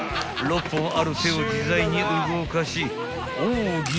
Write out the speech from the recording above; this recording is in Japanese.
［６本ある手を自在に動かし奥義！